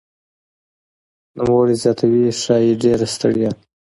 نوموړی زیاتوي "ښايي ډېره ستړیا